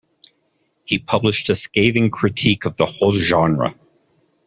He published a scathing critique of the whole genre.